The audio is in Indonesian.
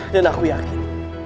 dan aku yakin